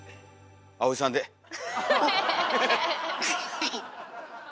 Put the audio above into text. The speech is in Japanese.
はい。